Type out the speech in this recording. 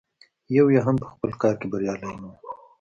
یو یې هم په خپل کار کې بریالی نه و.